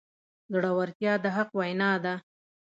زړورتیا د حق وینا ده.